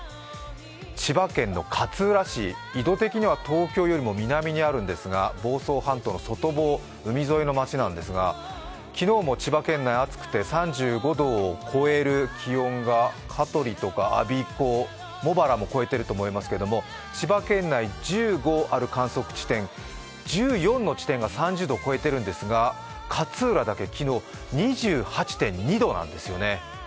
千葉県の勝浦市、緯度的には東京より南にあるんですが、房総半島の外房、海沿いの町なんですが昨日も千葉県内暑くて３５度を超える気温が香取とか我孫子、茂原も超えてると思いますけど千葉県内１５ある観測地点、１４の地点が３０度を超えているんですが勝浦だけ昨日、２８．２度なんですよね。